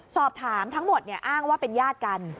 สอบถามทั้งหมดอ้างว่าเป็นญาติกัน